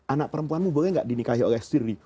anak perempuanmu boleh nggak dinikahi oleh siri